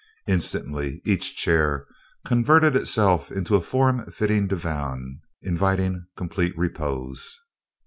Instantly each chair converted itself into a form fitting divan, inviting complete repose.